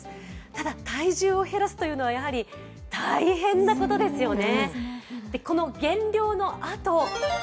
ただ、体重を減らすというのは、やはり大変なことですよね。